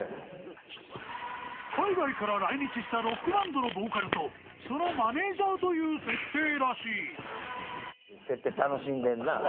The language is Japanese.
［海外から来日したロックバンドのボーカルとそのマネジャーという設定らしい］